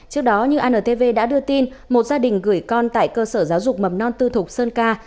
trước đó như antv đã đưa tin một gia đình gửi con tại cơ sở giáo dục mầm non tư thục sơn ca